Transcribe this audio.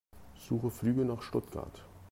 Suche Flüge nach Stuttgart.